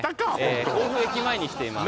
甲府駅前に来ています